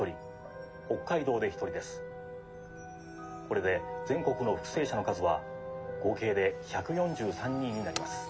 これで全国の復生者の数は合計で１４３人になります。